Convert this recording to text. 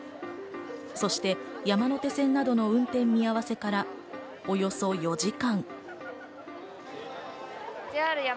そして山手線などの運転見合わせからおよそ４時間。